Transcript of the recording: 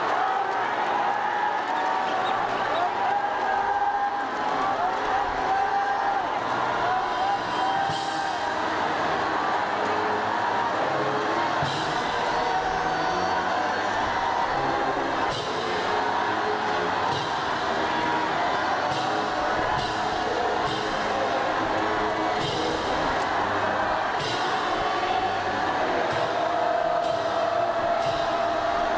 โอ้มัสดีครับ